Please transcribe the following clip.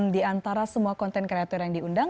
di antara semua konten kreator yang diundang